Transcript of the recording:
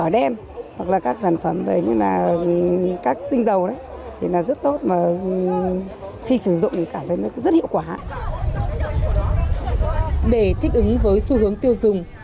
để thích ứng với xu hướng tiêu dùng